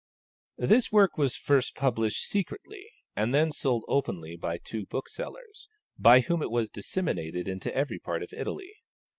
This work was first published secretly, and then sold openly by two booksellers, by whom it was disseminated into every part of Italy.